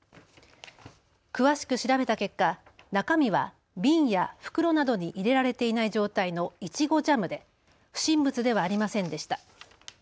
詳しく調べた結果、中身は瓶や袋などに入れられていない状態のイチゴジャムで不審物ではありませんでした。